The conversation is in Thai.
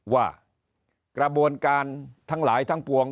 ว่ากระบวนการทั้งหลายทั้งปวง